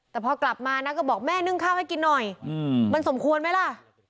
แต่พอกลับมานะก็บอกแม่นึ่งข้าวให้กินหน่อยมันสมควรไหมล่ะ